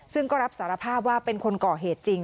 ซึ่งก็รับสารภาพว่าเป็นคนก่อเหตุจริง